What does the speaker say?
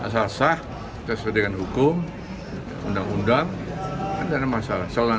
asal sah tersedia dengan hukum undang undang kan tidak masalah